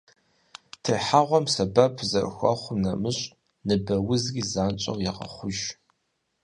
Техьэгъуэм сэбэп зэрыхуэхъум нэмыщӏ, ныбэ узри занщӏэу егъэхъуж.